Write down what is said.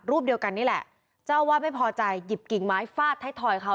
เดียวกันนี่แหละเจ้าอาวาสไม่พอใจหยิบกิ่งไม้ฟาดไทยทอยเขา